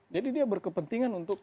jadi dia berkepentingan untuk